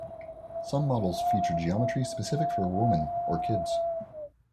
Some models feature geometry specific for women or kids.